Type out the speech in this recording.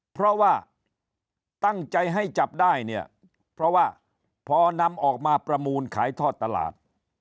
เพราะว่าตั้งใจให้จับได้เนี่ยเพราะว่าพอนำออกมาประมูลขายทอดตลาด